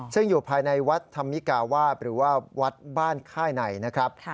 ซึ่งอยู่ภายในวัดธรรมิกาวาบหรือว่าวัดบ้านค่ายในนะครับ